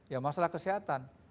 ya masalah kesehatan